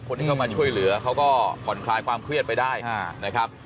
คนที่เข้ามาช่วยเหลือเขาก็ผ่อนคลายความเครียดไปได้นะครับ